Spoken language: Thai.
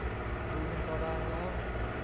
ดูในตารางแล้ว